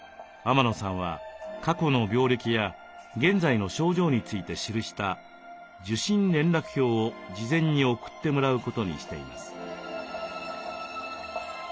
天野さんは過去の病歴や現在の症状について記した受診連絡票を事前に送ってもらうことにしています。